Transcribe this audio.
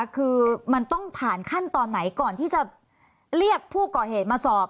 คือมันต้องผ่านขั้นตอนไหนก่อนที่จะเรียกผู้ก่อเหตุมาสอบ